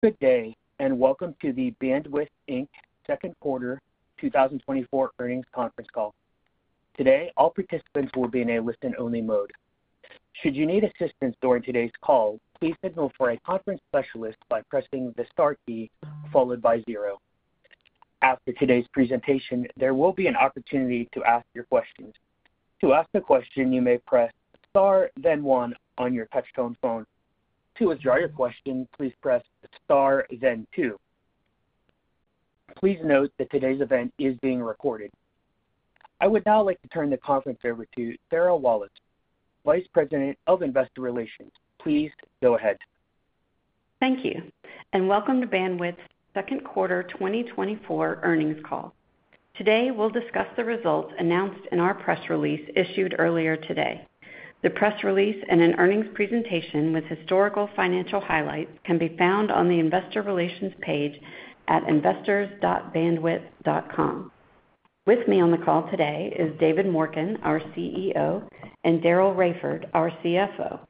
Good day, and welcome to the Bandwidth Inc. Second Quarter 2024 Earnings Conference Call. Today, all participants will be in a listen-only mode. Should you need assistance during today's call, please signal for a conference specialist by pressing the star key followed by zero. After today's presentation, there will be an opportunity to ask your questions. To ask a question, you may press star, then one on your touchtone phone. To withdraw your question, please press star, then two. Please note that today's event is being recorded. I would now like to turn the conference over to Sarah Walas, Vice President of Investor Relations. Please go ahead. Thank you, and welcome to Bandwidth's Second Quarter 2024 Earnings Call. Today, we'll discuss the results announced in our press release issued earlier today. The press release and an earnings presentation with historical financial highlights can be found on the Investor Relations page at investors.bandwidth.com. With me on the call today is David Morken, our CEO, and Daryl Raiford, our CFO.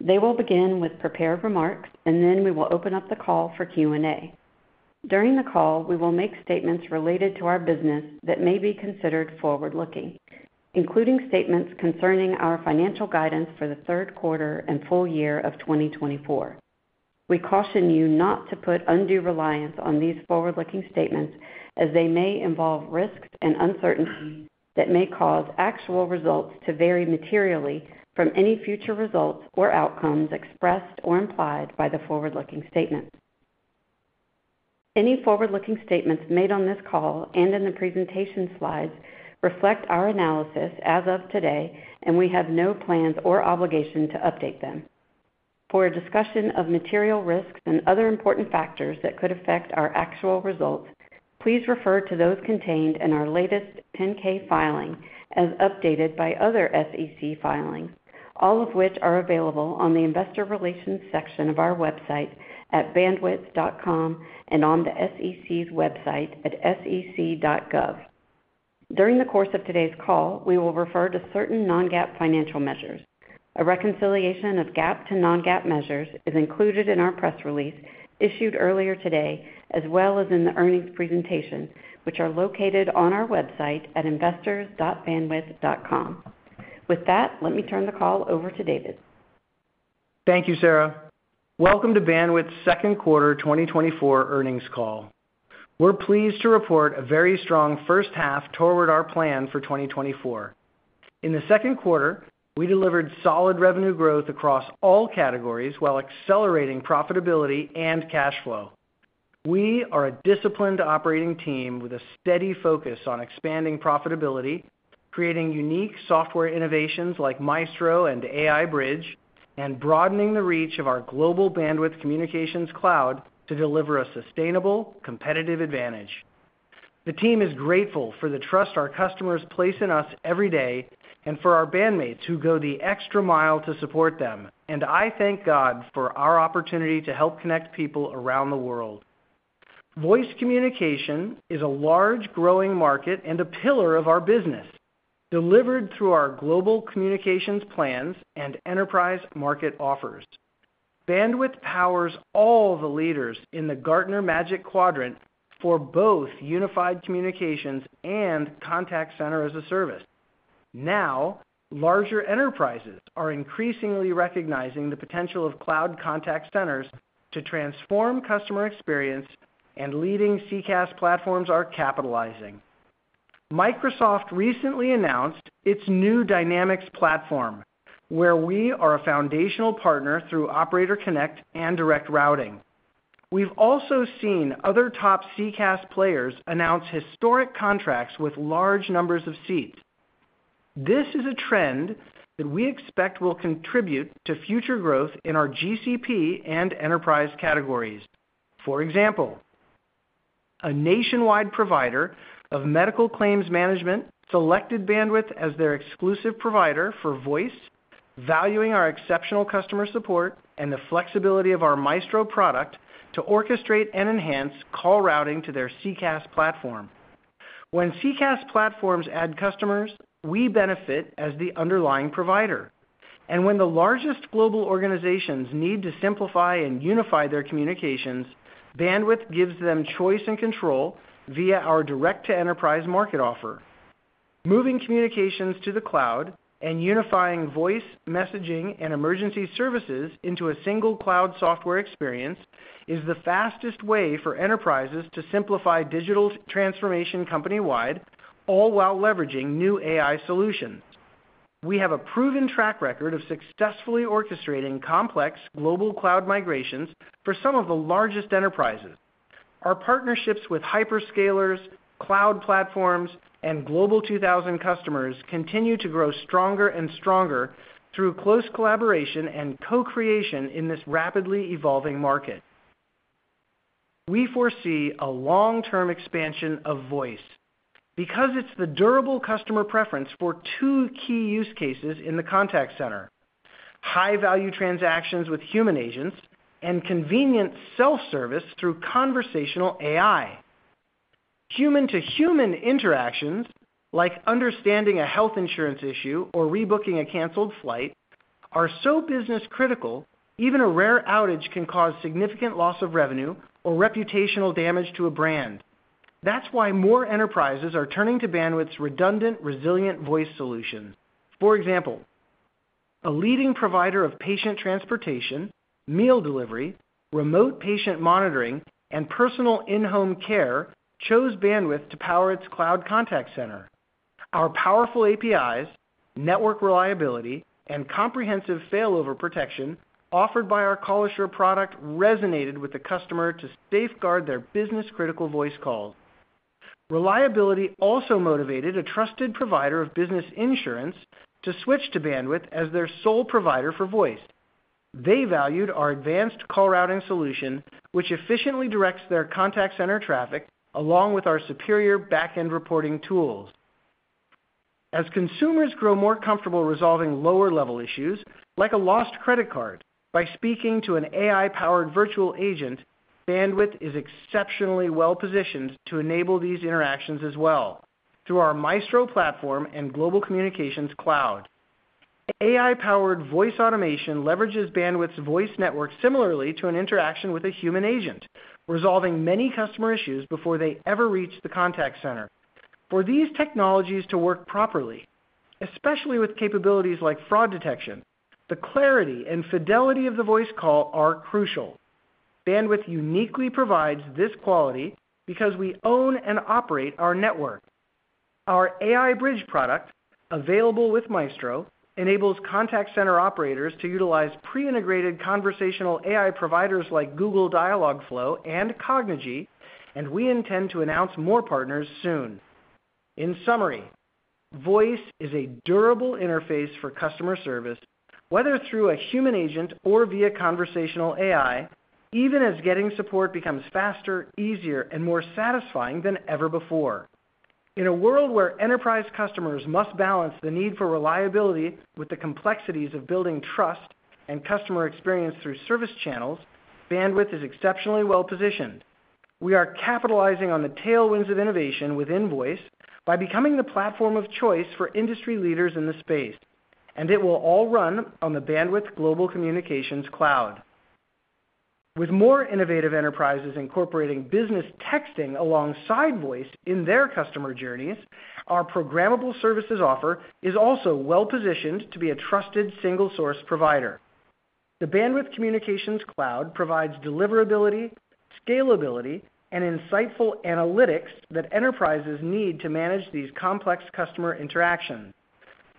They will begin with prepared remarks, and then we will open up the call for Q&A. During the call, we will make statements related to our business that may be considered forward-looking, including statements concerning our financial guidance for the third quarter and full year of 2024. We caution you not to put undue reliance on these forward-looking statements as they may involve risks and uncertainties that may cause actual results to vary materially from any future results or outcomes expressed or implied by the forward-looking statements. Any forward-looking statements made on this call and in the presentation slides reflect our analysis as of today, and we have no plans or obligation to update them. For a discussion of material risks and other important factors that could affect our actual results, please refer to those contained in our latest 10-K filing, as updated by other SEC filings, all of which are available on the Investor Relations section of our website at bandwidth.com and on the SEC's website at sec.gov. During the course of today's call, we will refer to certain non-GAAP financial measures. A reconciliation of GAAP to non-GAAP measures is included in our press release issued earlier today, as well as in the earnings presentation, which are located on our website at investors.bandwidth.com. With that, let me turn the call over to David. Thank you, Sarah. Welcome to Bandwidth's Second Quarter 2024 Earnings Call. We're pleased to report a very strong first half toward our plan for 2024. In the second quarter, we delivered solid revenue growth across all categories while accelerating profitability and cash flow. We are a disciplined operating team with a steady focus on expanding profitability, creating unique software innovations like Maestro and AIBridge, and broadening the reach of our global Bandwidth Communications Cloud to deliver a sustainable competitive advantage. The team is grateful for the trust our customers place in us every day and for our bandmates who go the extra mile to support them, and I thank God for our opportunity to help connect people around the world. Voice communication is a large, growing market and a pillar of our business, delivered through our Global Voice Plans and Enterprise Voice. Bandwidth powers all the leaders in the Gartner Magic Quadrant for both unified communications and contact center as a service. Now, larger enterprises are increasingly recognizing the potential of Cloud contact centers to transform customer experience, and leading CCaaS platforms are capitalizing. Microsoft recently announced its new Dynamics platform, where we are a foundational partner through Operator Connect and Direct Routing. We've also seen other top CCaaS players announce historic contracts with large numbers of seats. This is a trend that we expect will contribute to future growth in our GCP and enterprise categories. For example, a nationwide provider of medical claims management selected Bandwidth as their exclusive provider for voice, valuing our exceptional customer support and the flexibility of our Maestro product to orchestrate and enhance call routing to their CCaaS platform. When CCaaS platforms add customers, we benefit as the underlying provider. When the largest global organizations need to simplify and unify their communications, Bandwidth gives them choice and control via our direct-to-enterprise market offer. Moving communications to the Cloud and unifying voice, messaging, and emergency services into a single Cloud software experience is the fastest way for enterprises to simplify digital transformation company-wide, all while leveraging new AI solutions. We have a proven track record of successfully orchestrating complex global Cloud migrations for some of the largest enterprises. Our partnerships with hyperscalers, Cloud platforms, and Global 2000 customers continue to grow stronger and stronger through close collaboration and co-creation in this rapidly evolving market. We foresee a long-term expansion of voice because it's the durable customer preference for two key use cases in the contact center: high-value transactions with human agents and convenient self-service through conversational AI… Human-to-human interactions, like understanding a health insurance issue or rebooking a canceled flight, are so business critical, even a rare outage can cause significant loss of revenue or reputational damage to a brand. That's why more enterprises are turning to Bandwidth's redundant, resilient voice solution. For example, a leading provider of patient transportation, meal delivery, remote patient monitoring, and personal in-home care chose Bandwidth to power its Cloud contact center. Our powerful APIs, network reliability, and comprehensive failover protection offered by our Call Assure product resonated with the customer to safeguard their business-critical voice calls. Reliability also motivated a trusted provider of business insurance to switch to Bandwidth as their sole provider for voice. They valued our advanced call routing solution, which efficiently directs their contact center traffic, along with our superior back-end reporting tools. As consumers grow more comfortable resolving lower-level issues, like a lost credit card, by speaking to an AI-powered virtual agent, Bandwidth is exceptionally well-positioned to enable these interactions as well, through our Maestro platform and global communications Cloud. AI-powered voice automation leverages Bandwidth's voice network similarly to an interaction with a human agent, resolving many customer issues before they ever reach the contact center. For these technologies to work properly, especially with capabilities like fraud detection, the clarity and fidelity of the voice call are crucial. Bandwidth uniquely provides this quality because we own and operate our network. Our AIBridge product, available with Maestro, enables contact center operators to utilize pre-integrated conversational AI providers like Google Dialogflow and Cognigy, and we intend to announce more partners soon. In summary, voice is a durable interface for customer service, whether through a human agent or via conversational AI, even as getting support becomes faster, easier, and more satisfying than ever before. In a world where enterprise customers must balance the need for reliability with the complexities of building trust and customer experience through service channels, Bandwidth is exceptionally well-positioned. We are capitalizing on the tailwinds of innovation within voice by becoming the platform of choice for industry leaders in the space, and it will all run on the Bandwidth Global Communications Cloud. With more innovative enterprises incorporating business texting alongside voice in their customer journeys, our programmable services offer is also well-positioned to be a trusted single source provider. The Bandwidth Communications Cloud provides deliverability, scalability, and insightful analytics that enterprises need to manage these complex customer interactions.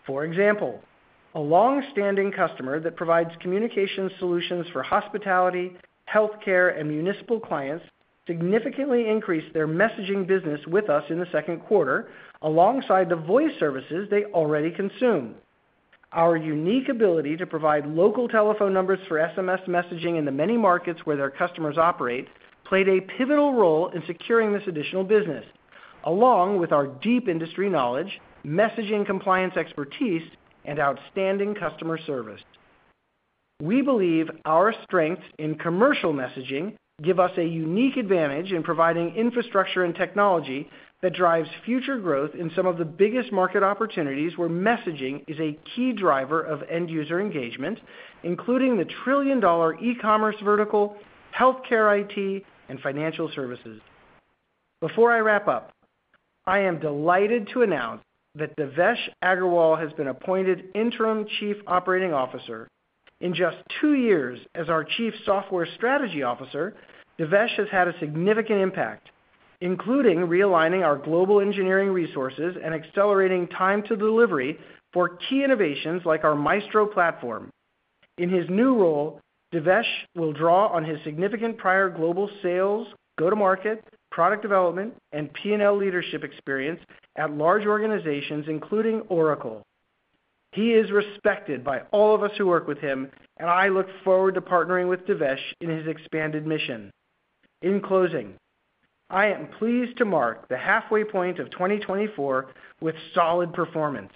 For example, a long-standing customer that provides communication solutions for hospitality, healthcare, and municipal clients significantly increased their messaging business with us in the second quarter, alongside the voice services they already consume. Our unique ability to provide local telephone numbers for SMS messaging in the many markets where their customers operate played a pivotal role in securing this additional business, along with our deep industry knowledge, messaging compliance expertise, and outstanding customer service. We believe our strengths in commercial messaging give us a unique advantage in providing infrastructure and technology that drives future growth in some of the biggest market opportunities where messaging is a key driver of end user engagement, including the trillion-dollar e-commerce vertical, healthcare IT, and financial services. Before I wrap up, I am delighted to announce that Devesh Agarwal has been appointed Interim Chief Operating Officer. In just two years as our Chief Software Strategy Officer, Devesh has had a significant impact, including realigning our global engineering resources and accelerating time to delivery for key innovations like our Maestro platform. In his new role, Devesh will draw on his significant prior global sales, go-to-market, product development, and P&L leadership experience at large organizations, including Oracle. He is respected by all of us who work with him, and I look forward to partnering with Devesh in his expanded mission. In closing, I am pleased to mark the halfway point of 2024 with solid performance.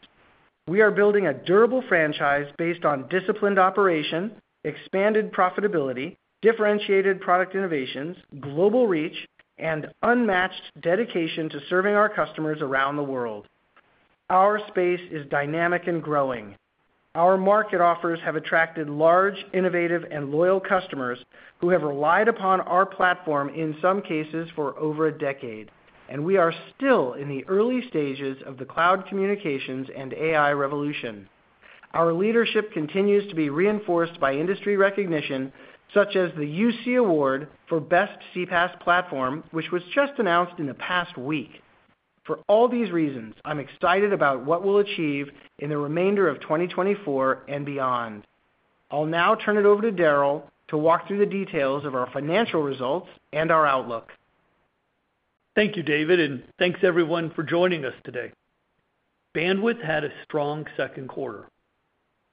We are building a durable franchise based on disciplined operation, expanded profitability, differentiated product innovations, global reach, and unmatched dedication to serving our customers around the world. Our space is dynamic and growing. Our market offers have attracted large, innovative, and loyal customers who have relied upon our platform, in some cases, for over a decade, and we are still in the early stages of the Cloud communications and AI revolution. Our leadership continues to be reinforced by industry recognition, such as the UC Award for Best CPaaS Platform, which was just announced in the past week. For all these reasons, I'm excited about what we'll achieve in the remainder of 2024 and beyond. I'll now turn it over to Daryl to walk through the details of our financial results and our outlook. Thank you, David, and thanks, everyone, for joining us today. Bandwidth had a strong second quarter.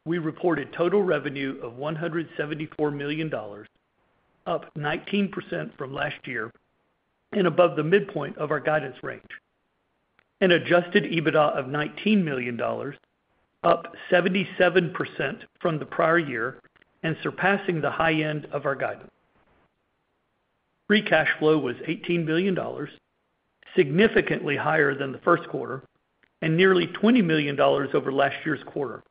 We reported total revenue of $174 million, up 19% from last year and above the midpoint of our guidance range, and adjusted EBITDA of $19 million, up 77% from the prior year and surpassing the high end of our guidance. Free cash flow was $18 billion, significantly higher than the first quarter, and nearly $20 million over last year's quarter.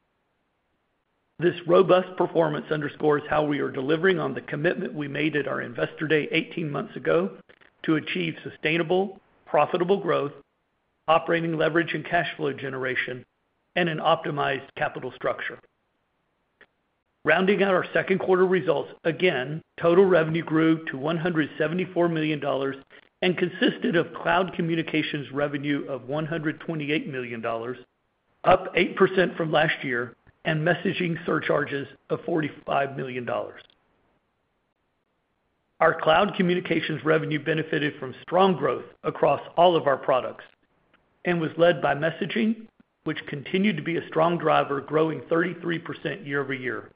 This robust performance underscores how we are delivering on the commitment we made at our Investor Day 18 months ago to achieve sustainable, profitable growth, operating leverage and cash flow generation, and an optimized capital structure. Rounding out our second quarter results, again, total revenue grew to $174 million and consisted of Cloud communications revenue of $128 million, up 8% from last year, and messaging surcharges of $45 million. Our Cloud communications revenue benefited from strong growth across all of our products and was led by messaging, which continued to be a strong driver, growing 33% year over year.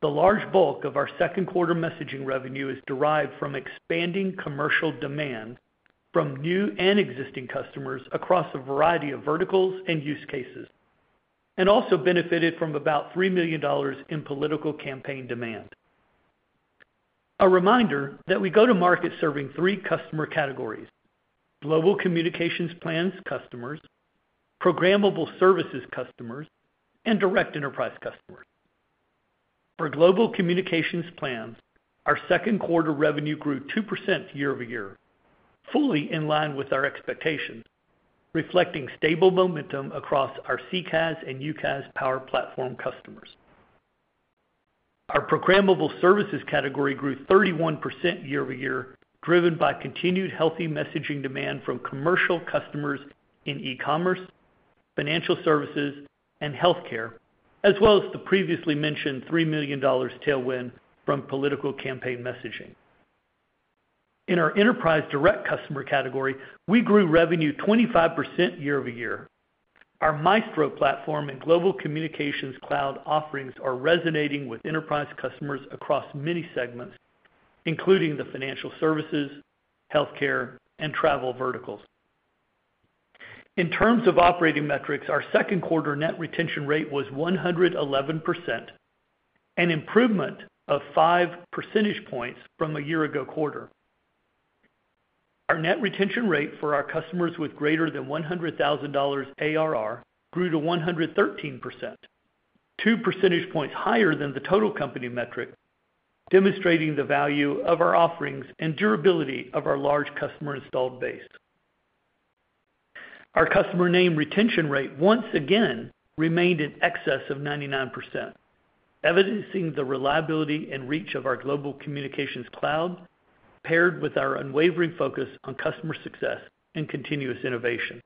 The large bulk of our second quarter messaging revenue is derived from expanding commercial demand from new and existing customers across a variety of verticals and use cases, and also benefited from about $3 million in political campaign demand. A reminder that we go to market serving three customer categories: Global Communications Plans customers, Programmable Services customers, and Direct Enterprise customers. For Global Communications Plans, our second quarter revenue grew 2% year-over-year, fully in line with our expectations, reflecting stable momentum across our CCaaS and UCaaS Power platform customers. Our programmable services category grew 31% year-over-year, driven by continued healthy messaging demand from commercial customers in e-commerce, financial services, and healthcare, as well as the previously mentioned $3 million tailwind from political campaign messaging. In our enterprise direct customer category, we grew revenue 25% year-over-year. Our Maestro platform and Global Communications Cloud offerings are resonating with enterprise customers across many segments, including the financial services, healthcare, and travel verticals. In terms of operating metrics, our second quarter net retention rate was 111%, an improvement of five percentage points from a year ago quarter. Our net retention rate for our customers with greater than $100,000 ARR grew to 113%, two percentage points higher than the total company metric, demonstrating the value of our offerings and durability of our large customer installed base. Our customer name retention rate once again remained in excess of 99%, evidencing the reliability and reach of our global communications Cloud, paired with our unwavering focus on customer success and continuous innovation.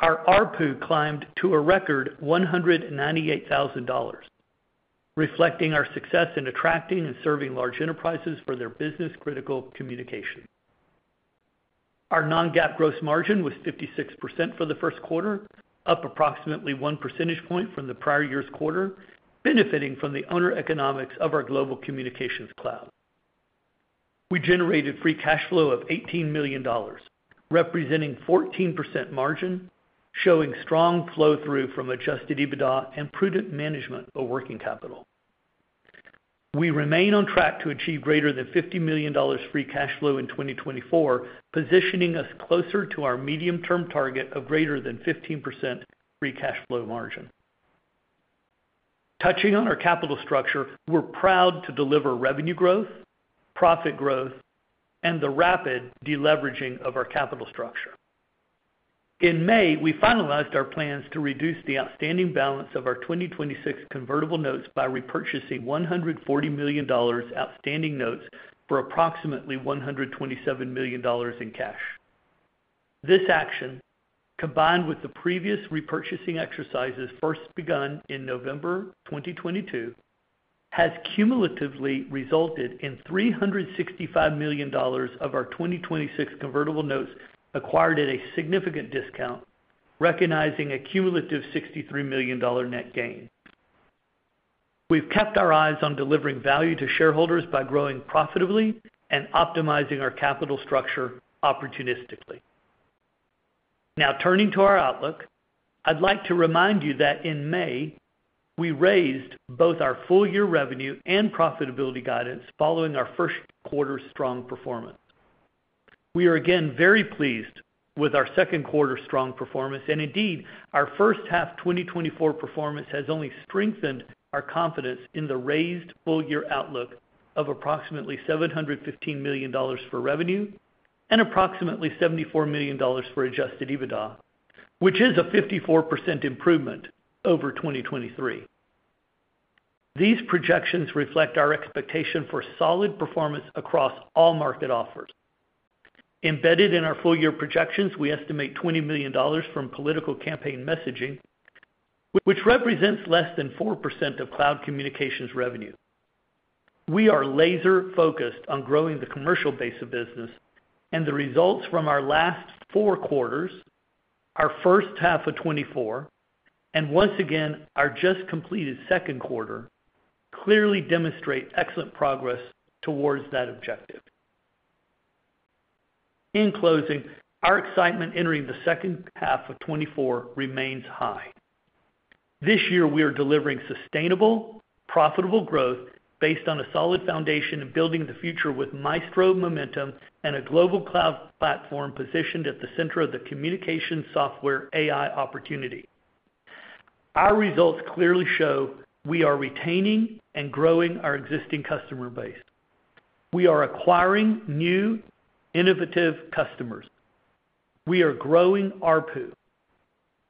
Our ARPU climbed to a record $198,000, reflecting our success in attracting and serving large enterprises for their business-critical communication. Our non-GAAP gross margin was 56% for the first quarter, up approximately one percentage point from the prior year's quarter, benefiting from the owner economics of our Global Communications Cloud. We generated Free Cash Flow of $18 million, representing 14% margin, showing strong flow-through from Adjusted EBITDA and prudent management of working capital. We remain on track to achieve greater than $50 million Free Cash Flow in 2024, positioning us closer to our medium-term target of greater than 15% Free Cash Flow margin. Touching on our capital structure, we're proud to deliver revenue growth, profit growth, and the rapid deleveraging of our capital structure. In May, we finalized our plans to reduce the outstanding balance of our 2026 convertible notes by repurchasing $140 million outstanding notes for approximately $127 million in cash. This action, combined with the previous repurchasing exercises first begun in November 2022, has cumulatively resulted in $365 million of our 2026 convertible notes acquired at a significant discount, recognizing a cumulative $63 million net gain. We've kept our eyes on delivering value to shareholders by growing profitably and optimizing our capital structure opportunistically. Now, turning to our outlook, I'd like to remind you that in May, we raised both our full-year revenue and profitability guidance following our first-quarter strong performance. We are again very pleased with our second-quarter strong performance, and indeed, our first half 2024 performance has only strengthened our confidence in the raised full-year outlook of approximately $715 million for revenue and approximately $74 million for Adjusted EBITDA, which is a 54% improvement over 2023. These projections reflect our expectation for solid performance across all market offers. Embedded in our full-year projections, we estimate $20 million from political campaign messaging, which represents less than 4% of Cloud communications revenue. We are laser focused on growing the commercial base of business, and the results from our last four quarters, our first half of 2024, and once again, our just completed second quarter, clearly demonstrate excellent progress towards that objective. In closing, our excitement entering the second half of 2024 remains high. This year, we are delivering sustainable, profitable growth based on a solid foundation and building the future with Maestro momentum and a global Cloud platform positioned at the center of the communication software AI opportunity. Our results clearly show we are retaining and growing our existing customer base. We are acquiring new, innovative customers. We are growing ARPU.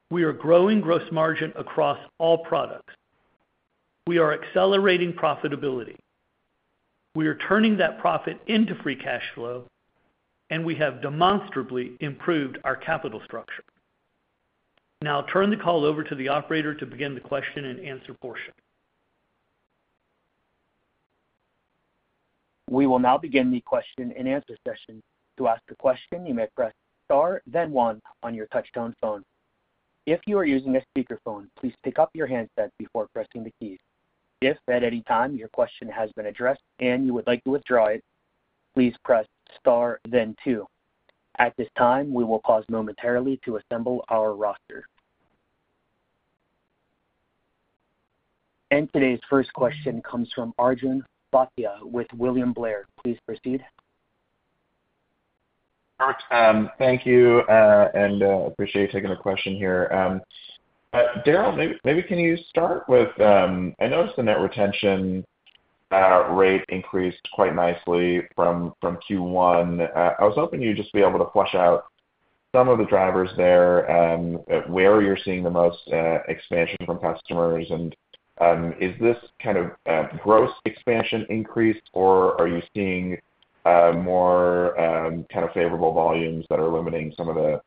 We are growing gross margin across all products. We are accelerating profitability. We are turning that profit into free cash flow, and we have demonstrably improved our capital structure. Now I'll turn the call over to the operator to begin the question-and-answer portion. We will now begin the question-and-answer session. To ask a question, you may press Star, then one on your touchtone phone. If you are using a speakerphone, please pick up your handset before pressing the keys. If, at any time, your question has been addressed and you would like to withdraw it, please press star then two. At this time, we will pause momentarily to assemble our roster. Today's first question comes from Arjun Bhatia with William Blair. Please proceed. Thank you, and appreciate you taking the question here. Daryl, maybe can you start with... I noticed the net retention rate increased quite nicely from Q1. I was hoping you'd just be able to flush out some of the drivers there, where you're seeing the most expansion from customers. And, is this kind of gross expansion increased, or are you seeing more kind of favorable volumes that are limiting some of the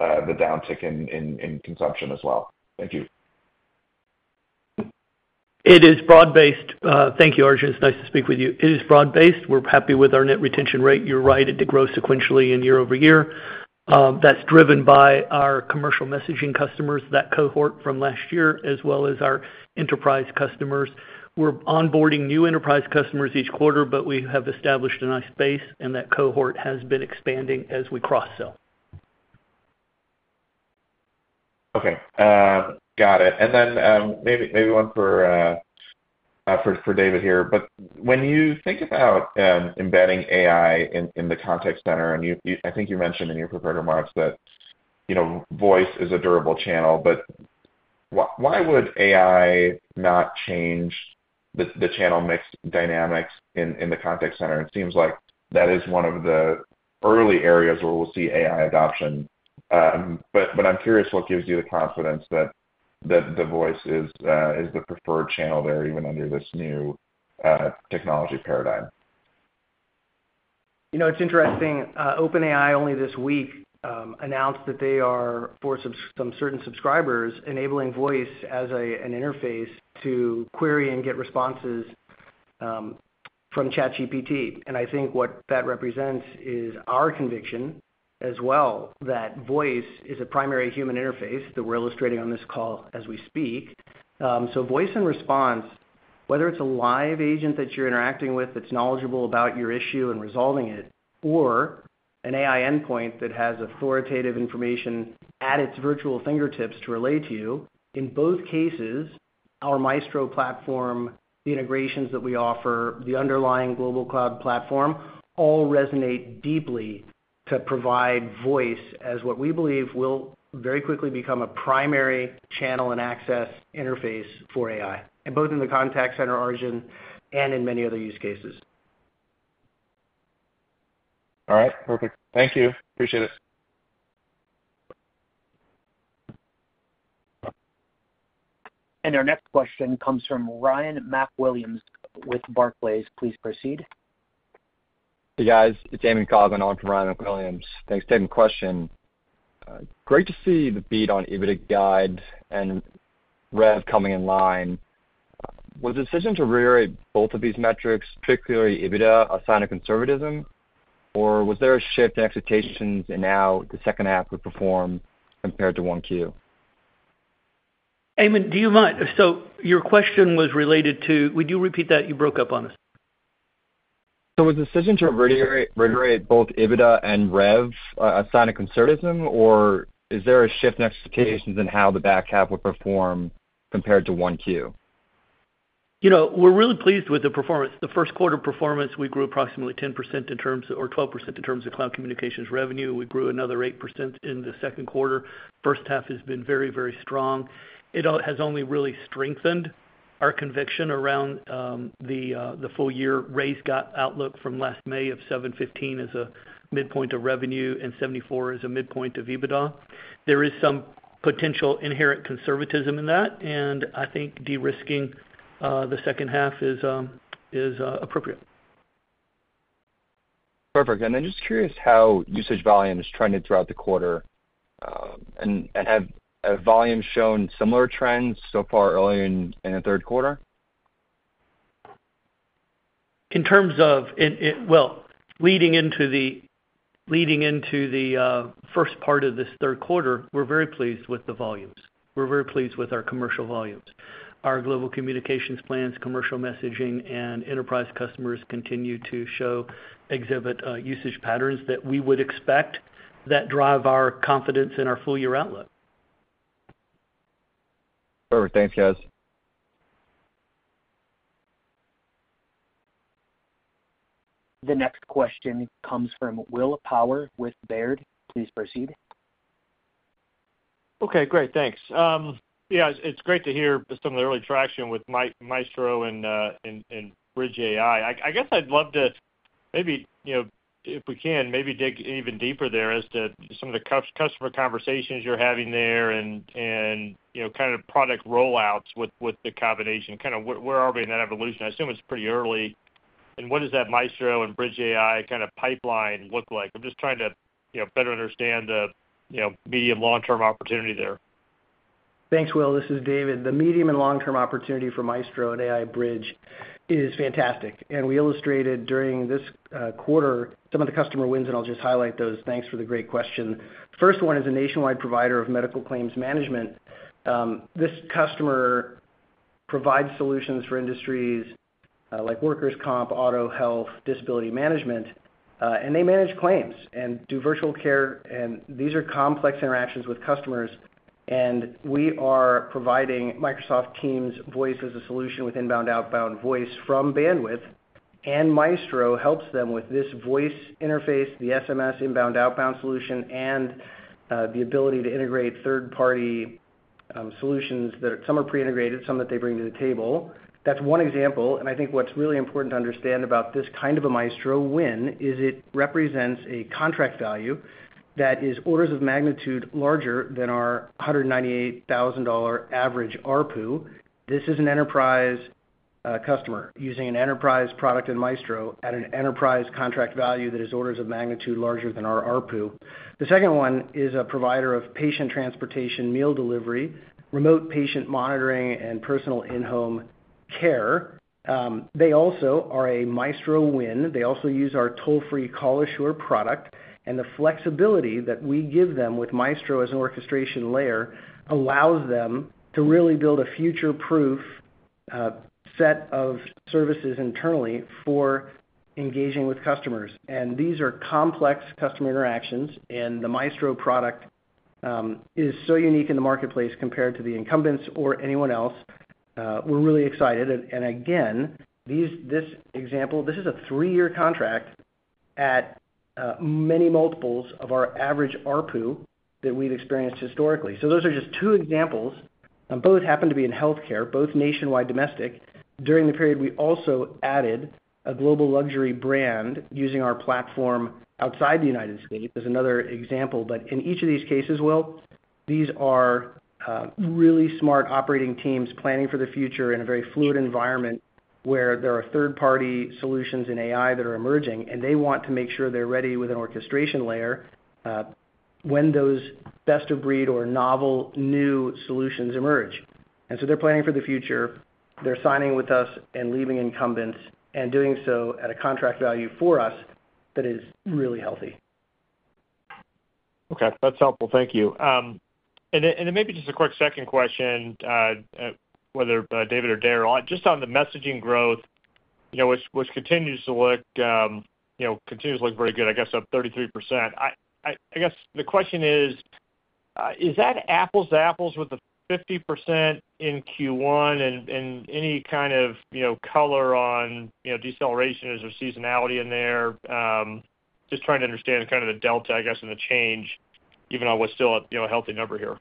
downtick in consumption as well? Thank you. It is broad-based. Thank you, Arjun. It's nice to speak with you. It is broad-based. We're happy with our net retention rate. You're right, it did grow sequentially and year over year. That's driven by our commercial messaging customers, that cohort from last year, as well as our enterprise customers. We're onboarding new enterprise customers each quarter, but we have established a nice base, and that cohort has been expanding as we cross-sell. Okay. Got it. And then, maybe one for David here. But when you think about embedding AI in the contact center, and you—I think you mentioned in your prepared remarks that, you know, voice is a durable channel, but why would AI not change the channel mix dynamics in the contact center? It seems like that is one of the early areas where we'll see AI adoption. But I'm curious what gives you the confidence that the voice is the preferred channel there, even under this new technology paradigm? You know, it's interesting, OpenAI only this week, announced that they are, for some certain subscribers, enabling voice as a, an interface to query and get responses, from ChatGPT. And I think what that represents is our conviction as well, that voice is a primary human interface that we're illustrating on this call as we speak. So voice and response, whether it's a live agent that you're interacting with that's knowledgeable about your issue and resolving it, or an AI endpoint that has authoritative information at its virtual fingertips to relay to you, in both cases, our Maestro platform, the integrations that we offer, the underlying, all resonate deeply to provide voice as what we believe will very quickly become a primary channel and access interface for AI, and both in the contact center origin and in many other use cases. All right. Perfect. Thank you. Appreciate it. Our next question comes from Ryan MacWilliams with Barclays. Please proceed. Hey, guys. It's Eamon Coughlin on from Ryan MacWilliams. Thanks, David. Question: Great to see the beat on EBITDA guide and rev coming in line. Was the decision to reiterate both of these metrics, particularly EBITDA, a sign of conservatism, or was there a shift in expectations in how the second half would perform compared to 1Q? Eamon, do you mind... So your question was related to-- Would you repeat that? You broke up on us. So was the decision to reiterate both EBITDA and revenue a sign of conservatism, or is there a shift in expectations in how the back half would perform compared to 1Q? You know, we're really pleased with the performance. The first quarter performance, we grew approximately 10% in terms, or 12% in terms of Cloud communications revenue. We grew another 8% in the second quarter. First half has been very, very strong. It has only really strengthened our conviction around the full-year raised guidance outlook from last May of $715 as a midpoint of revenue and $74 as a midpoint of EBITDA. There is some potential inherent conservatism in that, and I think de-risking the second half is appropriate. Perfect. And then just curious how usage volume is trending throughout the quarter, and have volumes shown similar trends so far early in the third quarter? In terms of, well, leading into the first part of this third quarter, we're very pleased with the volumes. We're very pleased with our commercial volumes. Our global communications plans, commercial messaging, and enterprise customers continue to exhibit usage patterns that we would expect that drive our confidence in our full-year outlook. Perfect. Thanks, guys. The next question comes from Will Power with Baird. Please proceed. Okay, great. Thanks. Yeah, it's great to hear some of the early traction with Maestro and AI Bridge. I guess I'd love to maybe, you know, if we can, maybe dig even deeper there as to some of the customer conversations you're having there and, you know, kind of product rollouts with the combination. Kinda where are we in that evolution? I assume it's pretty early. What does that Maestro and AI Bridge kinda pipeline look like? I'm just trying to, you know, better understand the, you know, medium, long-term opportunity there. Thanks, Will. This is David. The medium and long-term opportunity for Maestro and AIBridge is fantastic, and we illustrated during this quarter some of the customer wins, and I'll just highlight those. Thanks for the great question. First one is a nationwide provider of medical claims management. This customer provides solutions for industries like workers' comp, auto, health, disability management, and they manage claims and do virtual care, and these are complex interactions with customers, and we are providing Microsoft Teams Voice as a solution with inbound, outbound voice from Bandwidth, and Maestro helps them with this voice interface, the SMS inbound, outbound solution, and the ability to integrate third-party solutions that some are pre-integrated, some that they bring to the table. That's one example, and I think what's really important to understand about this kind of a Maestro win is it represents a contract value that is orders of magnitude larger than our $198,000 average ARPU. This is an enterprise customer using an enterprise product in Maestro at an enterprise contract value that is orders of magnitude larger than our ARPU. The second one is a provider of patient transportation, meal delivery, remote patient monitoring, and personal in-home care. They also are a Maestro win. They also use our toll-free Call Assure product, and the flexibility that we give them with Maestro as an orchestration layer allows them to really build a future-proof set of services internally for engaging with customers. And these are complex customer interactions, and the Maestro product is so unique in the marketplace compared to the incumbents or anyone else. We're really excited. And again, this example, this is a three-year contract at many multiples of our average ARPU that we've experienced historically. So those are just two examples, and both happen to be in healthcare, both nationwide domestic. During the period, we also added a global luxury brand using our platform outside the United States, as another example. But in each of these cases, Will, these are really smart operating teams planning for the future in a very fluid environment, where there are third-party solutions in AI that are emerging, and they want to make sure they're ready with an orchestration layer when those best-of-breed or novel new solutions emerge. And so they're planning for the future. They're signing with us and leaving incumbents and doing so at a contract value for us that is really healthy. Okay. That's helpful. Thank you. And then maybe just a quick second question, whether David or Daryl, just on the messaging growth, you know, which continues to look very good, I guess, up 33%. I guess the question is, is that apples to apples with the 50% in Q1 and any kind of, you know, color on, you know, deceleration? Is there seasonality in there? Just trying to understand kind of the delta, I guess, and the change, even though it's still a, you know, healthy number here.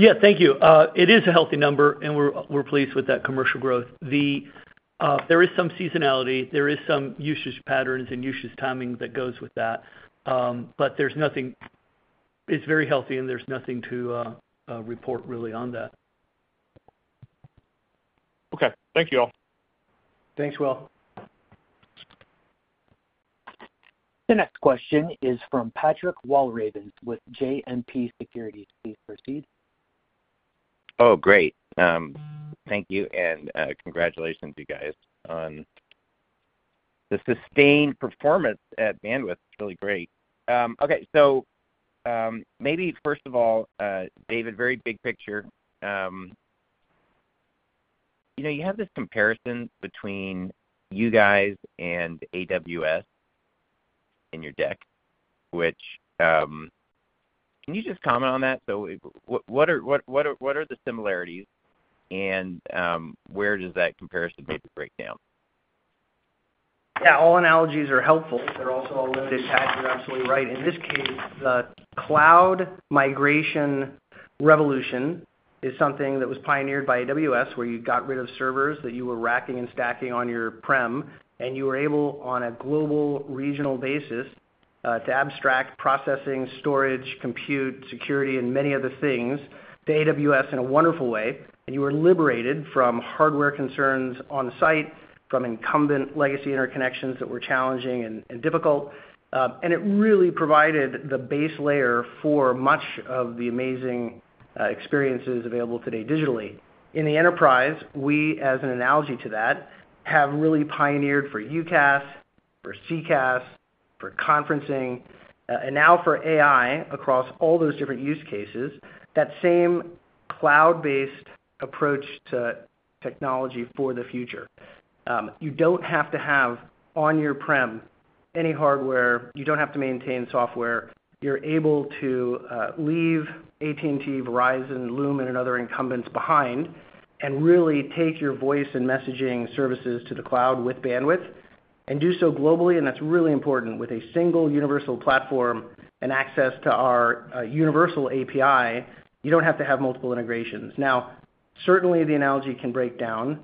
Yeah, thank you. It is a healthy number, and we're pleased with that commercial growth. There is some seasonality, there is some usage patterns and usage timing that goes with that, but there's nothing... It's very healthy, and there's nothing to report really on that. Okay. Thank you, all. Thanks, Will. The next question is from Patrick Walravens with JMP Securities. Please proceed. Oh, great. Thank you, and congratulations to you guys on the sustained performance at Bandwidth. It's really great. Okay. So, maybe first of all, David, very big picture. You know, you have this comparison between you guys and AWS in your deck, which can you just comment on that? So what are the similarities, and where does that comparison maybe break down? Yeah, all analogies are helpful. They're also all limited, Pat, you're absolutely right. In this case, the Cloud migration revolution is something that was pioneered by AWS, where you got rid of servers that you were racking and stacking on your prem, and you were able, on a global, regional basis, to abstract processing, storage, compute, security, and many other things to AWS in a wonderful way, and you were liberated from hardware concerns on site, from incumbent legacy interconnections that were challenging and difficult. And it really provided the base layer for much of the amazing experiences available today digitally. In the enterprise, we, as an analogy to that, have really pioneered for UCaaS, for CCaaS for conferencing, and now for AI across all those different use cases, that same Cloud-based approach to technology for the future. You don't have to have on your premises any hardware. You don't have to maintain software. You're able to leave AT&T, Verizon, Lumen, and other incumbents behind, and really take your voice and messaging services to the Cloud with Bandwidth, and do so globally, and that's really important. With a single universal platform and access to our universal API, you don't have to have multiple integrations. Now, certainly, the analogy can break down.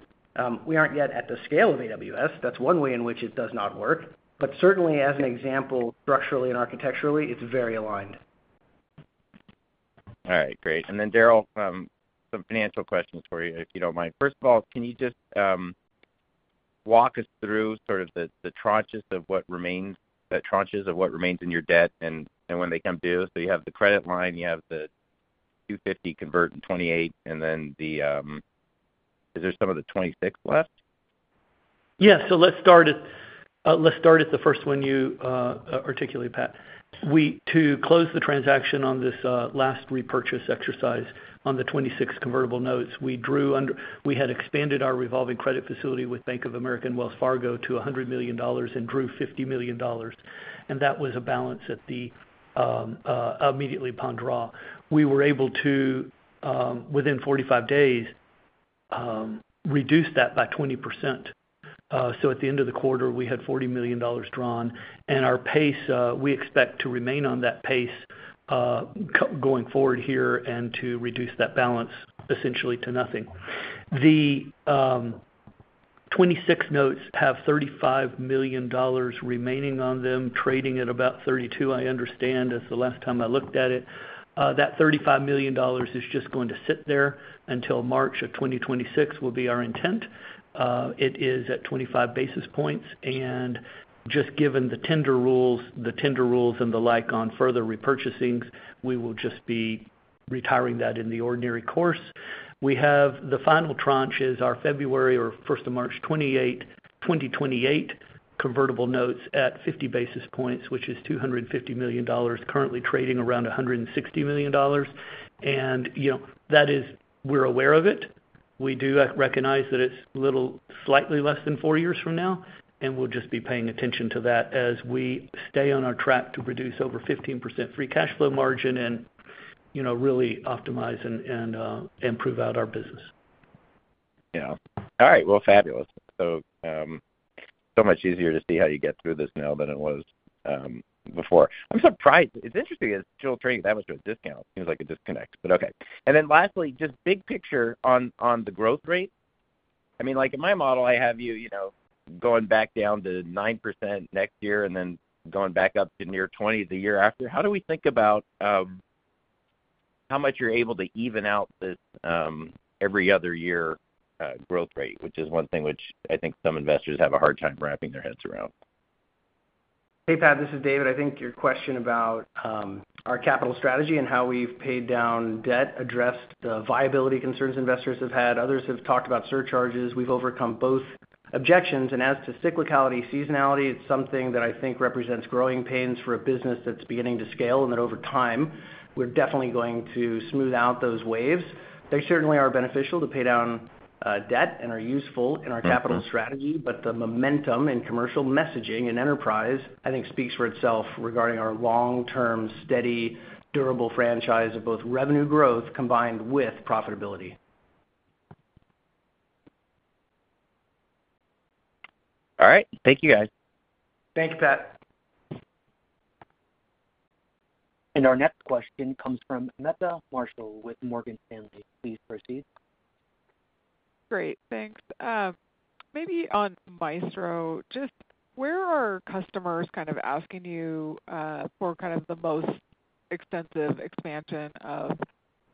We aren't yet at the scale of AWS. That's one way in which it does not work. But certainly, as an example, structurally and architecturally, it's very aligned. All right, great. And then, Daryl, some financial questions for you, if you don't mind. First of all, can you just walk us through sort of the tranches of what remains in your debt and when they come due? So you have the credit line, you have the $250 convert in 2028, and then, is there some of the 2026 left? Yes. So let's start at the first one you articulated, Pat. To close the transaction on this last repurchase exercise on the 2026 convertible notes, we had expanded our revolving credit facility with Bank of America and Wells Fargo to $100 million and drew $50 million, and that was a balance at the immediately upon draw. We were able to within 45 days reduce that by 20%. So at the end of the quarter, we had $40 million drawn, and our pace we expect to remain on that pace going forward here and to reduce that balance essentially to nothing. The 2026 notes have $35 million remaining on them, trading at about 32, I understand, as the last time I looked at it. That $35 million is just going to sit there until March of 2026, will be our intent. It is at 25 basis points, and just given the tender rules, the tender rules and the like on further repurchasings, we will just be retiring that in the ordinary course. We have the final tranche is our February or 1st of March 28, 2028, convertible notes at 50 basis points, which is $250 million, currently trading around $160 million. And, you know, that is... We're aware of it. We do recognize that it's a little slightly less than four years from now, and we'll just be paying attention to that as we stay on our track to reduce over 15% free cash flow margin and, you know, really optimize and, and, improve out our business. Yeah. All right. Well, fabulous. So, so much easier to see how you get through this now than it was, before. I'm surprised. It's interesting that still trading that much to a discount. Seems like a disconnect, but okay. And then lastly, just big picture on the growth rate. I mean, like, in my model, I have you, you know, going back down to 9% next year and then going back up to near 20% the year after. How do we think about, how much you're able to even out this, every other year, growth rate, which is one thing which I think some investors have a hard time wrapping their heads around? Hey, Pat, this is David. I think your question about our capital strategy and how we've paid down debt addressed the viability concerns investors have had. Others have talked about surcharges. We've overcome both objections, and as to cyclicality, seasonality, it's something that I think represents growing pains for a business that's beginning to scale, and that over time, we're definitely going to smooth out those waves. They certainly are beneficial to pay down debt and are useful in our capital strategy, but the momentum in commercial messaging and enterprise, I think, speaks for itself regarding our long-term, steady, durable franchise of both revenue growth combined with profitability. All right. Thank you, guys. Thanks, Pat. Our next question comes from Meta Marshall with Morgan Stanley. Please proceed. Great, thanks. Maybe on Maestro, just where are customers kind of asking you for kind of the most extensive expansion of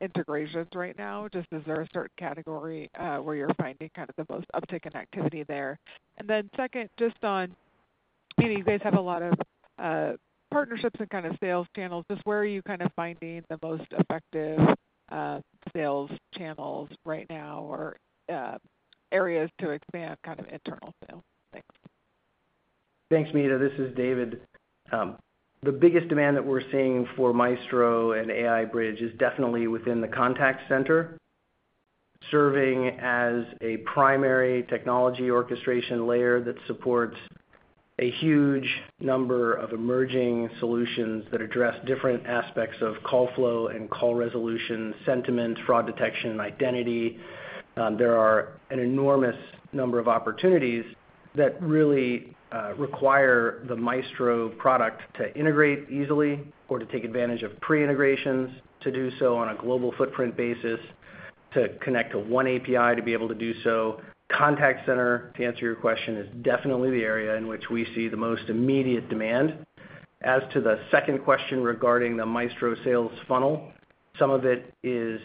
integrations right now? Just is there a certain category where you're finding kind of the most uptick in activity there? And then second, just on, you guys have a lot of partnerships and kind of sales channels. Just where are you kind of finding the most effective sales channels right now or areas to expand kind of internal sales? Thanks. Thanks, Meta. This is David. The biggest demand that we're seeing for Maestro and AIBridge is definitely within the contact center, serving as a primary technology orchestration layer that supports a huge number of emerging solutions that address different aspects of call flow and call resolution, sentiment, fraud detection, and identity. There are an enormous number of opportunities that really require the Maestro product to integrate easily or to take advantage of pre-integrations to do so on a global footprint basis, to connect to one API, to be able to do so. Contact center, to answer your question, is definitely the area in which we see the most immediate demand. As to the second question regarding the Maestro sales funnel, some of it is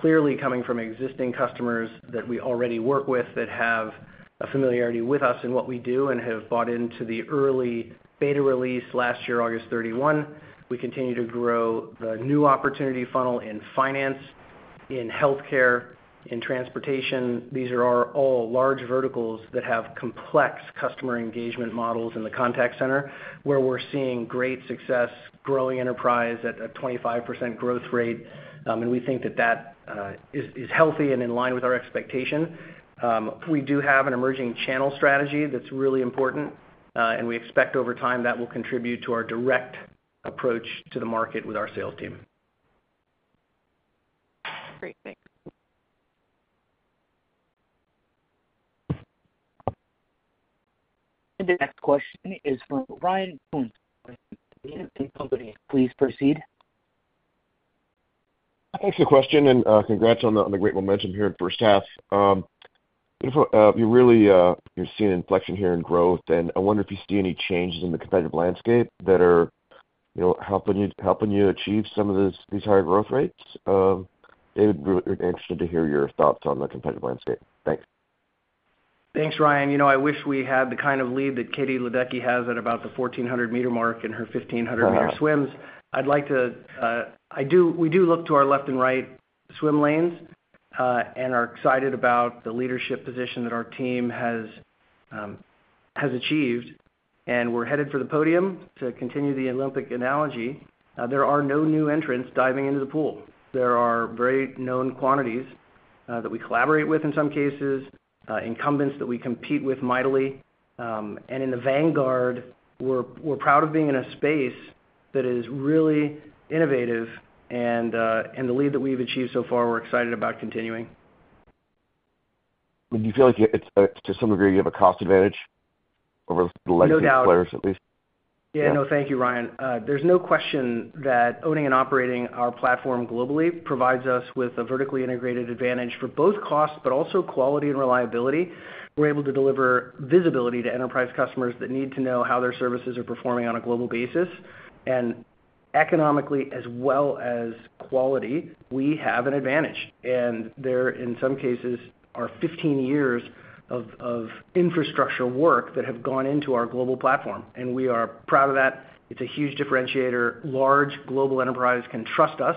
clearly coming from existing customers that we already work with that have a familiarity with us and what we do and have bought into the early beta release last year, August 31. We continue to grow the new opportunity funnel in finance in healthcare, in transportation. These are our all large verticals that have complex customer engagement models in the contact center, where we're seeing great success, growing enterprise at a 25% growth rate. And we think that that is healthy and in line with our expectation. We do have an emerging channel strategy that's really important, and we expect over time, that will contribute to our direct approach to the market with our sales team. Great. Thanks. The next question is from Ryan Koontz, Needham & Company. Please proceed. Thanks for the question, and congrats on the great momentum here in first half. You really, you're seeing inflection here in growth, and I wonder if you see any changes in the competitive landscape that are, you know, helping you achieve some of these higher growth rates. We're interested to hear your thoughts on the competitive landscape. Thanks. Thanks, Ryan. You know, I wish we had the kind of lead that Katie Ledecky has at about the 1400-meter mark in her 1500-meter swims. I'd like to, we do look to our left and right swim lanes, and are excited about the leadership position that our team has, has achieved, and we're headed for the podium. To continue the Olympic analogy, there are no new entrants diving into the pool. There are very known quantities, that we collaborate with in some cases, incumbents that we compete with mightily. And in the vanguard, we're, we're proud of being in a space that is really innovative, and, and the lead that we've achieved so far, we're excited about continuing. Do you feel like it's, to some degree, you have a cost advantage over the legacy- No doubt -players, at least? Yeah. No, thank you, Ryan. There's no question that owning and operating our platform globally provides us with a vertically integrated advantage for both cost, but also quality and reliability. We're able to deliver visibility to enterprise customers that need to know how their services are performing on a global basis. And economically as well as quality, we have an advantage, and there, in some cases, are 15 years of infrastructure work that have gone into our global platform, and we are proud of that. It's a huge differentiator. Large global enterprise can trust us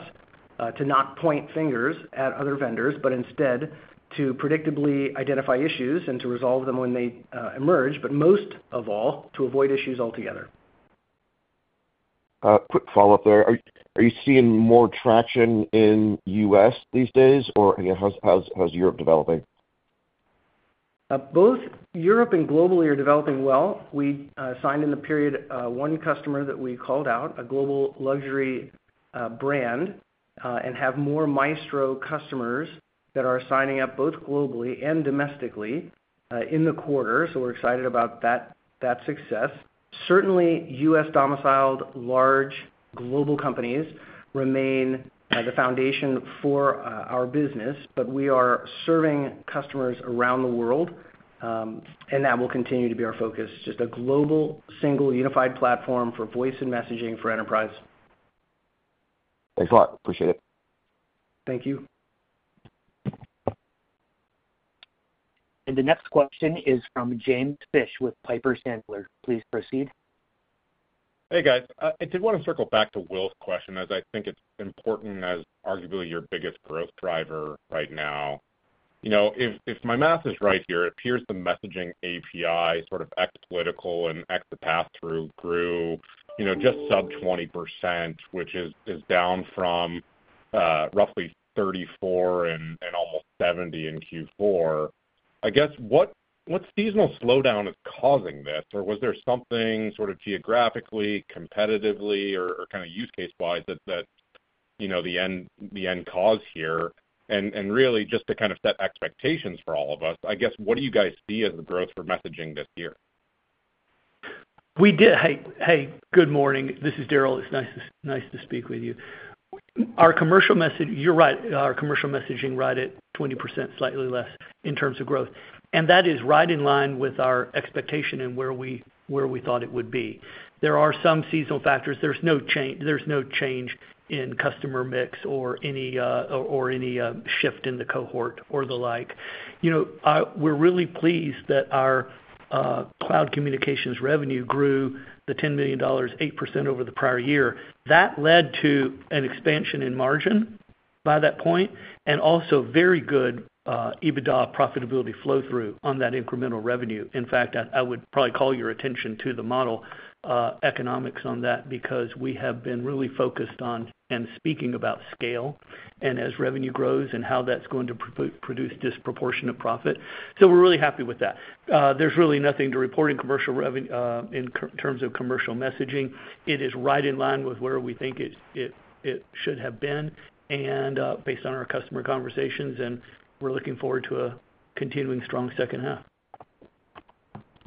to not point fingers at other vendors, but instead to predictably identify issues and to resolve them when they emerge, but most of all, to avoid issues altogether. Quick follow-up there. Are you seeing more traction in U.S. these days, or, you know, how's Europe developing? Both Europe and globally are developing well. We signed in the period one customer that we called out, a global luxury brand, and have more Maestro customers that are signing up, both globally and domestically, in the quarter. So we're excited about that, that success. Certainly, U.S.-domiciled, large global companies remain the foundation for our business. But we are serving customers around the world, and that will continue to be our focus. Just a global, single, unified platform for voice and messaging for enterprise. Thanks a lot. Appreciate it. Thank you. The next question is from James Fish with Piper Sandler. Please proceed. Hey, guys. I did want to circle back to Will's question, as I think it's important as arguably your biggest growth driver right now. You know, if my math is right here, it appears the messaging API, sort of ex political and ex the passthrough grew, you know, just sub 20%, which is down from roughly 34% and almost 70% in Q4. I guess, what seasonal slowdown is causing this? Or was there something sort of geographically, competitively, or kind of use case-wise that you know the end cause here? And really, just to kind of set expectations for all of us, I guess, what do you guys see as the growth for messaging this year? Hey, hey, good morning. This is Daryl. It's nice to speak with you. Our commercial messaging—You're right, our commercial messaging right at 20%, slightly less in terms of growth, and that is right in line with our expectation and where we thought it would be. There are some seasonal factors. There's no change in customer mix or any shift in the cohort or the like. You know, we're really pleased that our Cloud communications revenue grew to $10 million, 8% over the prior year. That led to an expansion in margin by that point, and also very good EBITDA profitability flow-through on that incremental revenue. In fact, I would probably call your attention to the model economics on that, because we have been really focused on and speaking about scale, and as revenue grows and how that's going to produce disproportionate profit. So we're really happy with that. There's really nothing to report in terms of commercial messaging. It is right in line with where we think it should have been, and based on our customer conversations, and we're looking forward to a continuing strong second half.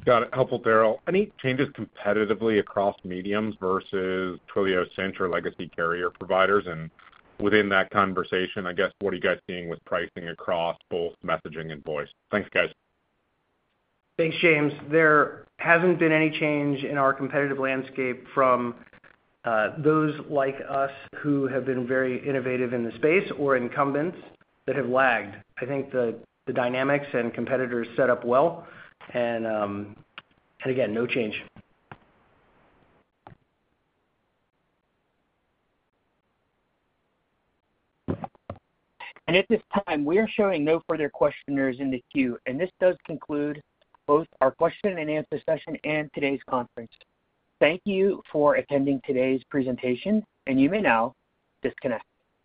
Got it. Helpful, Daryl. Any changes competitively across mediums versus Twilio and other legacy carrier providers? Within that conversation, I guess, what are you guys seeing with pricing across both messaging and voice? Thanks, guys. Thanks, James. There hasn't been any change in our competitive landscape from those like us, who have been very innovative in the space or incumbents that have lagged. I think the dynamics and competitors set up well, and again, no change. At this time, we are showing no further questioners in the queue, and this does conclude both our question and answer session and today's conference. Thank you for attending today's presentation, and you may now disconnect.